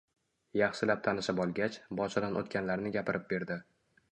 Yaxshilab tanishib olgach, boshidan o`tganlarini gapirib berdi